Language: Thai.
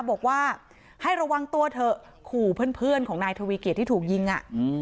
บอกว่าให้ระวังตัวเถอะขู่เพื่อนของนายทวีเกียจที่ถูกยิงอ่ะ